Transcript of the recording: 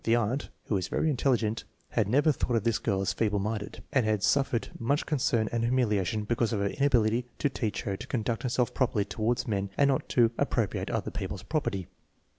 The aunt, who is very intelligent, had never thought of this girl as feeble minded, and had suffered much concern and humiliation because of her inability to teach her to conduct herself properly toward men and not to appropriate other people's property.